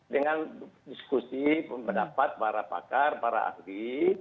dengan diskusi pendapat para pakar para ahli